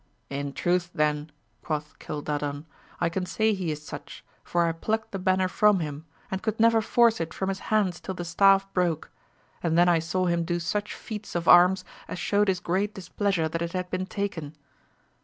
In truth then, quoth Gildadan, I can say he is such, for I plucked the banner from him, and could never force it from his hands till the staff broke, and then saw I him do such feats of arms as showed his great dis pleasure that it had been taken.